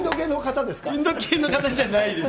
インドの方じゃないです。